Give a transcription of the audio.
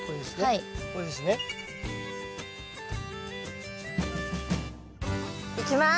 これですね。いきます！